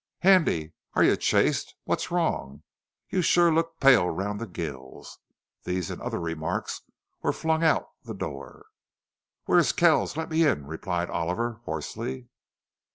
"Handy!... Air you chased?... What's wrong?... You shore look pale round the gills." These and other remarks were flung out the door. "Where's Kells? Let me in," replied Oliver, hoarsely.